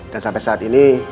dan sampai saat ini